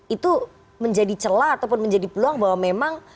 itu menjadi celah ataupun menjadi peluang bahwa memang